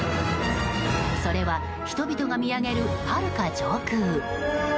それは人々が見上げるはるか上空。